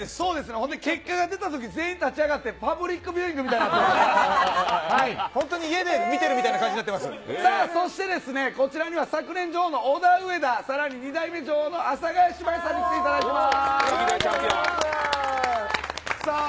ほんで、結果が出たとき、全員、立ち上がって、パブリックビューイングみたいになって、本当に、家で見てるみたそしてですね、こちらには、昨年女王のオダウエダ、さらに２代目女王の、阿佐ヶ谷姉妹さんにも来ていただいてます。